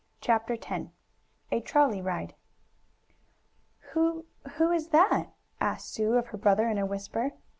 CHAPTER X A TROLLEY RIDE "Who who is that?" asked Sue of her brother in a whisper.